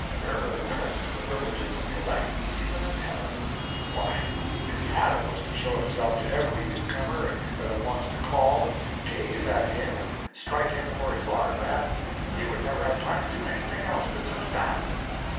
There are limits to the privileges of the elect, even in heaven. Why, if Adam was to show himself to every new comer that wants to call and gaze at him and strike him for his autograph, he would never have time to do anything else but just that.